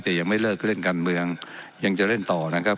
แต่ยังไม่เลิกเล่นการเมืองยังจะเล่นต่อนะครับ